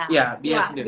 ya biar yang sendiri